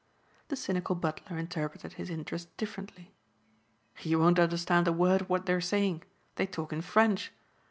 The cynical butler interpreted his interest differently. "You won't understand a word of what they're saying. They talk in French.